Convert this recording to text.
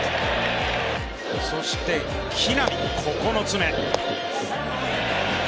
そして木浪、９つ目。